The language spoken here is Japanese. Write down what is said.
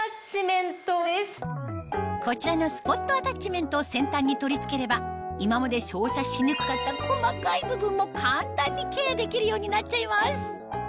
こちらのスポットアタッチメントを先端に取り付ければ今まで照射しにくかった細かい部分も簡単にケアできるようになっちゃいます